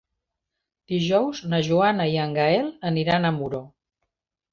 Dijous na Joana i en Gaël aniran a Muro.